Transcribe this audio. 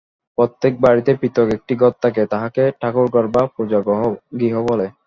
প্রত্যেক বাড়ীতেই পৃথক একটি ঘর থাকে, তাহাকে ঠাকুরঘর বা পূজাগৃহ বলে।